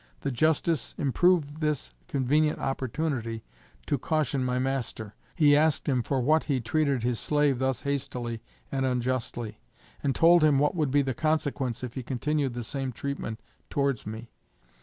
The Justice improved this convenient opportunity to caution my master. He asked him for what he treated his slave thus hastily and unjustly, and told him what would be the consequence if he continued the same treatment towards me.